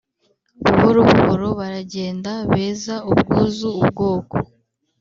buhoro buhoro baragenda, beza, ubwuzu, ubwoko;